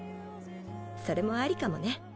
それもありかもね。